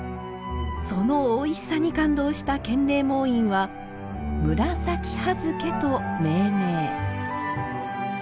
その美味しさに感動した建礼門院は、紫葉漬けと命名。